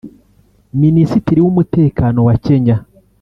Minisitiri w’umutekano wa Kenya